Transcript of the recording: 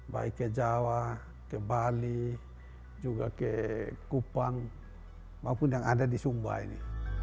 baik ke jawa ke bali juga ke kupang maupun yang ada di sumba ini